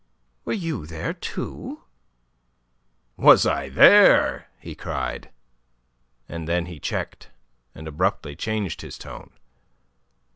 "Were you there, too?" "Was I there!" he cried. Then he checked, and abruptly changed his tone.